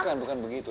bukan bukan begitu